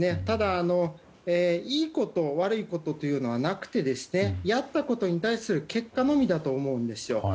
ただいいこと、悪いことはなくてやったことに対する結果のみだと思うんですよ。